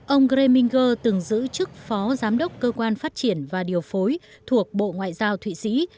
ông gre minger từng giữ chức phó giám đốc cơ quan phát triển và điều phối thuộc bộ ngoại giao thụy sĩ